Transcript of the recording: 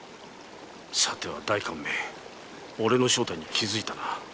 さては代官め俺の正体に気づいたな